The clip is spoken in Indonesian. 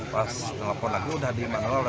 pas nelfon lagi udah di immanuel